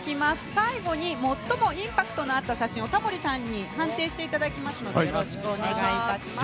最後に最もインパクトのあった写真をタモリさんに判定していただきますのでよろしくお願いいたします。